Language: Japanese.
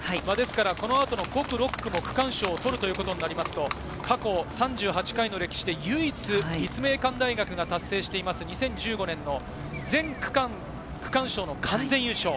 この後の５区、６区も区間賞を取るということになると過去３８回の歴史で唯一、立命館大学が達成している２０１５年の全区間区間賞の完全優勝。